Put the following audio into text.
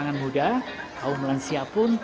tadi makan si kapau